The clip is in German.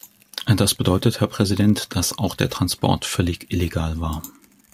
Das bedeutet, Herr Präsident, dass auch der Transport völlig illegal war.